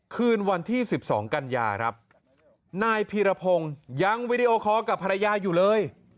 คืนวันที่๑๒กันยาครับนายพีรพงศ์ยังวีดีโอคอร์กับภรรยาอยู่เลย